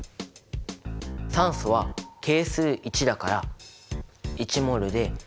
酸素は係数１だから１ｍｏｌで２２．４Ｌ。